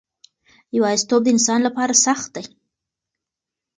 یوازیتوب د انسان لپاره سخت دی.